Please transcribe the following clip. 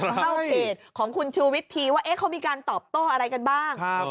เข้าเพจของคุณชูวิทย์ทีว่าเขามีการตอบโต้อะไรกันบ้าง